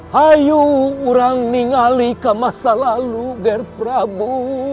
hayu orang ningali ke masa lalu ger pradu